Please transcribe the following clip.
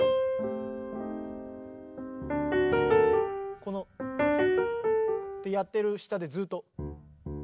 このってやってる下でずっと。